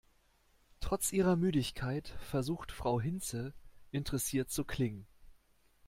Trotz ihrer Müdigkeit versucht Frau Hinze, interessiert zu klingen.